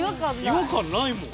違和感ないもん。